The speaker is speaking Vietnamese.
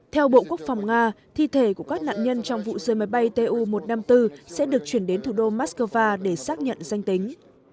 theo bộ quốc phòng nga thi thể của các nạn nhân trong vụ rơi máy bay tu một trăm năm mươi bốn sẽ được chuyển đến thủ đô moscow để xác nhận danh tính